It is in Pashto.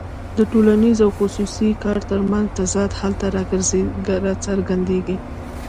د ټولنیز او خصوصي کار ترمنځ تضاد هلته راڅرګندېږي